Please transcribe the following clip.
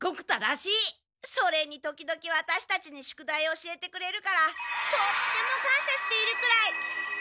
それに時々ワタシたちに宿題教えてくれるからとっても感謝しているくらい！